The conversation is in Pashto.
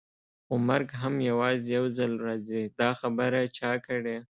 خو مرګ هم یوازې یو ځل راځي، دا خبره چا کړې؟